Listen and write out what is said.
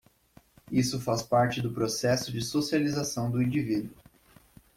Isso faz parte do processo de socialização do indivíduo.